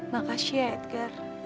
makasih ya edgar